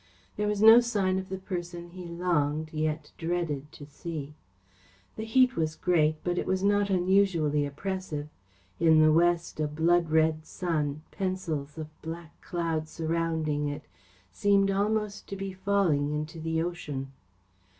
There was no sign of the person he longed yet dreaded to see. The heat was great but it was not unusually oppressive. In the west, a blood red sun, pencils of black cloud surrounding it, seemed almost to be falling into the ocean.